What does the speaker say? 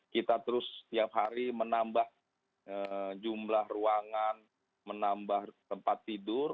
kita terus setiap hari menambah jumlah ruangan menambah tempat tidur